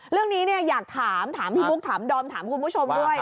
เรื่องนี้เนี่ยอยากถามถามพี่บุ๊คถามดอมถามคุณผู้ชมด้วย